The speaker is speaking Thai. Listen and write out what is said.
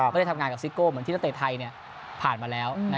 ไม่ได้ทำงานกับซิโก้เหมือนที่นักเตะไทยผ่านมาแล้ว